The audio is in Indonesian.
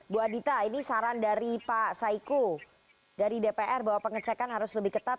bu adita ini saran dari pak saiku dari dpr bahwa pengecekan harus lebih ketat